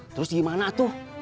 terus gimana tuh